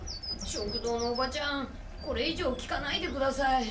食堂のおばちゃんこれいじょう聞かないでください。